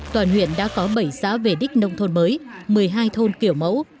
toàn huyện đã có bảy xã về đích nông thôn mới một mươi hai thôn kiểu mẫu